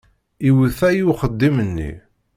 Iwuta i uxeddim-nni.